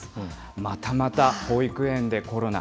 またまた保育園でコロナ。